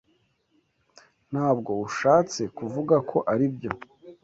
Ntabwo ushatse kuvuga ko, aribyo?